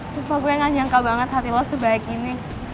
supaya gue gak nyangka banget hati lo sebaik ini